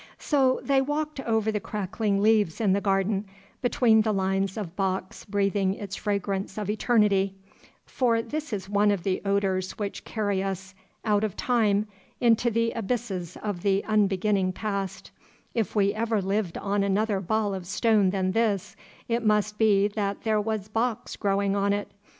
So they walked over the crackling leaves in the garden, between the lines of box breathing its fragrance of eternity; for this is one of the odors which carry us out of time into the abysses of the unbeginning past; if we ever lived on another ball of stone than this, it must be that there was box growing on it.